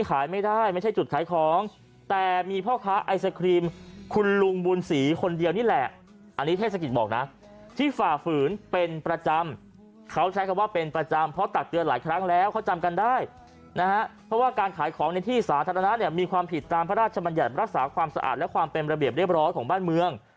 เขาใช้คำว่าเป็นประจำเพราะตัดเตือนหลายครั้งแล้วเขาจำกันได้นะฮะเพราะว่าการขายของในที่สาธารณะเนี่ยมีความผิดตามพระราชมัญญัตรรักษาความสะอาดและความเป็นระเบียบเรียบร้อยของบ้านเมือง